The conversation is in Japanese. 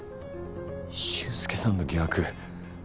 俊介さんの疑惑